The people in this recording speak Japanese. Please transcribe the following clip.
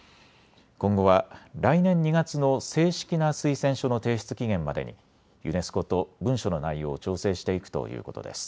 今後は来年２月の正式な推薦書の提出期限までにユネスコと文書の内容を調整していくということです。